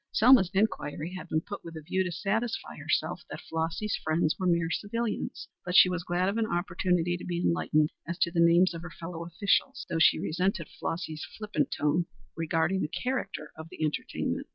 Selma's inquiry had been put with a view to satisfy herself that Flossy's friends were mere civilians. But she was glad of an opportunity to be enlightened as to the names of her fellow officials, though she resented Flossy's flippant tone regarding the character of the entertainment.